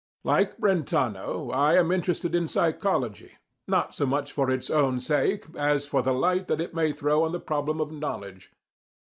Like Brentano, I am interested in psychology, not so much for its own sake, as for the light that it may throw on the problem of knowledge.